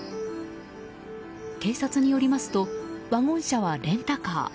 警察によりますとワゴン車はレンタカー。